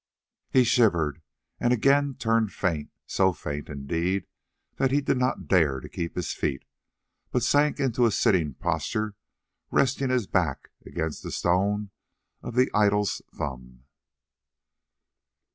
He shivered, and again turned faint, so faint indeed that he did not dare to keep his feet, but sank into a sitting posture, resting his back against the stone of the idol's thumb.